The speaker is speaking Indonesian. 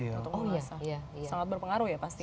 untuk mengasah sangat berpengaruh ya pasti ya